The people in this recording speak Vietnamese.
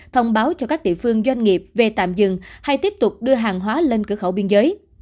thông báo cho các địa phương doanh nghiệp về tạm dừng hay tiếp tục đưa hàng hóa lên cửa khẩu biên giới